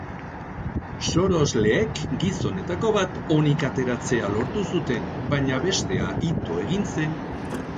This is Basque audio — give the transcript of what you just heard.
Sorosleek gizonetako bat onik ateratzea lortu zuten, baina bestea ito egin zen.